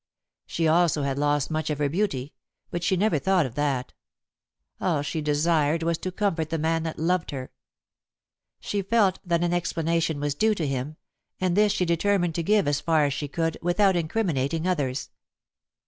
She also had lost much of her beauty, but she never thought of that. All she desired was to comfort the man that loved her. She felt that an explanation was due to him, and this she determined to give as far as she could without incriminating others.